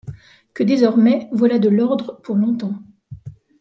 Que désormais voilà de l'ordre pour longtemps